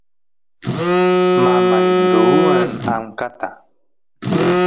mamay ruwan amkata